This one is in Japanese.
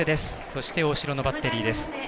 そして、大城のバッテリーです。